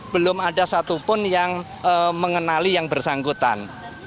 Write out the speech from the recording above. belum ada satu pun yang mengenali yang bersangkutan